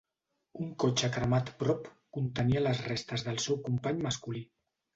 Un cotxe cremat prop contenia les restes del seu company masculí.